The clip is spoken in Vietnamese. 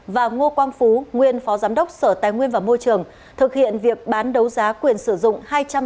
và ngo quang phú nguyên phó giám đốc sở tài nguyên và môi trường thực hiện việc bán đấu giá quyền sử dụng